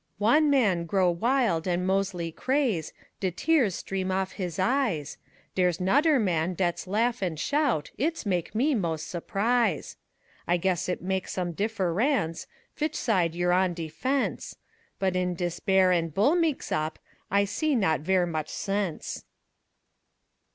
Wan man grow wild an' mos'ly craz', De tears stream off his eyes, Dere's nodder man dat's laf an' shout, It's mak' me mos' surprise. I guess it mak' som' diffe_rance_ Vich side you're on de fence, But in dis Bear an' Bull meex op I see not ver' moch sense.